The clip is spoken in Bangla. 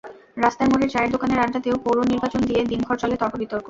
রাস্তার মোড়ের চায়ের দোকানের আড্ডাতেও পৌর নির্বাচন নিয়ে দিনভর চলে তর্ক-বিতর্ক।